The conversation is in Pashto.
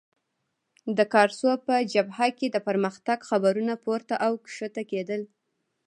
د کارسو په جبهه کې د پرمختګ خبرونه پورته او کښته کېدل.